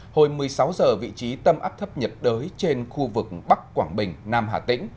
hồi một mươi sáu giờ vị trí tâm áp thấp nhiệt đới trên khu vực bắc quảng bình nam hà tĩnh